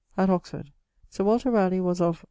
<_At Oxford._> Sir Walter Ralegh was of